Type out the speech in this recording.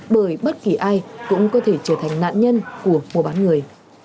bởi bất kỳ ai cũng có thể trở thành nạn nhân của mua bán người